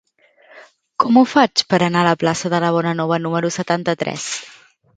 Com ho faig per anar a la plaça de la Bonanova número setanta-tres?